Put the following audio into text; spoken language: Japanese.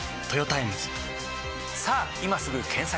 さぁ今すぐ検索！